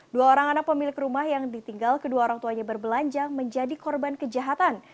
dua orang anak pemilik rumah yang ditinggal kedua orang tuanya berbelanja menjadi korban kejahatan